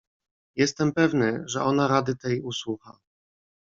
"Jestem pewny, że ona rady tej usłucha."